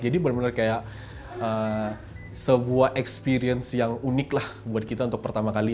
jadi benar benar kayak sebuah experience yang unik lah buat kita untuk pertama kali